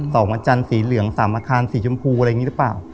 อาจารย์สีเหลืองสามอาคารสีชมพูอะไรอย่างนี้หรือเปล่า